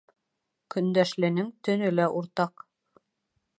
Көндәшленең төнө лә уртаҡ.